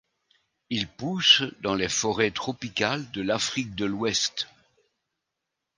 Il pousse dans les forêts tropicales de l’Afrique de l’Ouest.